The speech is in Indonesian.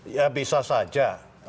ya bisa saja